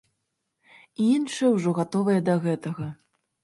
Іншыя ўжо гатовыя да гэтага.